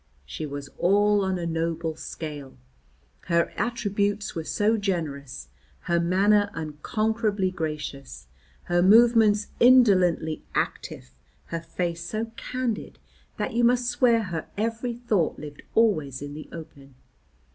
She was all on a noble scale, her attributes were so generous, her manner unconquerably gracious, her movements indolently active, her face so candid that you must swear her every thought lived always in the open.